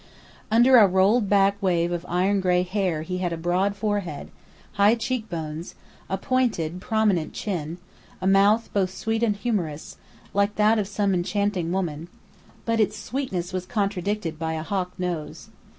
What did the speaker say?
Under a rolled back wave of iron gray hair he had a broad forehead, high cheekbones, a pointed prominent chin, a mouth both sweet and humorous, like that of some enchanting woman; but its sweetness was contradicted by a hawk nose.